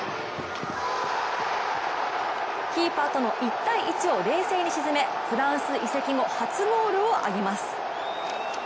キーパーとの１対１を冷静に沈めフランス移籍後初ゴールを挙げます。